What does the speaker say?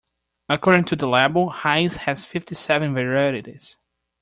According to the label, Heinz has fifty-seven varieties